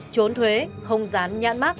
trốn thuế không dán nhãn mắc